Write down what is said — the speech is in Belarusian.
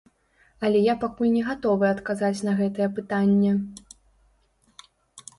Але я пакуль не гатовы адказаць на гэтае пытанне.